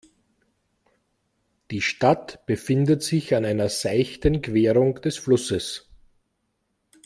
Die Stadt befindet sich an einer seichten Querung des Flusses.